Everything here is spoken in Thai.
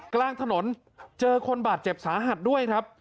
กลางถนนเจอคนบาดเจ็บสาหัสด้วยครับ